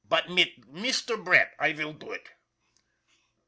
" But mit Mister Brett I vill do it."